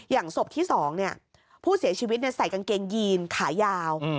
ศพที่๒ผู้เสียชีวิตใส่กางเกงยีนขายาว